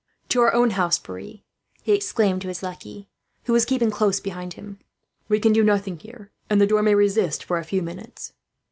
"To our own house, Pierre," he exclaimed to his lackey, who was keeping close behind him; "we can do nothing here, and the door may resist for a few minutes."